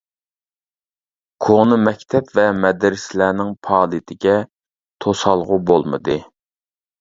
كونا مەكتەپ ۋە مەدرىسەلەرنىڭ پائالىيىتىگە توسالغۇ بولمىدى.